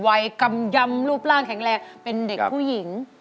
กำยำรูปร่างแข็งแรงเป็นเด็กผู้หญิง